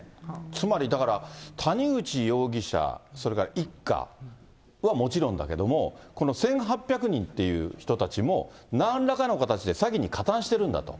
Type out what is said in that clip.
つまりだから、谷口容疑者、それから一家はもちろんですけれども、この１８００人っていう人たちも、なんらかの形で詐欺に加担してるんだと。